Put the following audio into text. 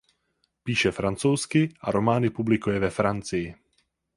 Píše francouzsky a romány publikuje ve Francii.